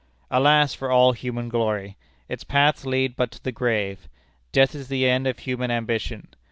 Alas for all human glory! Its paths lead but to the grave. Death is the end of human ambition.